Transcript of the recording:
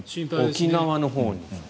沖縄のほうに。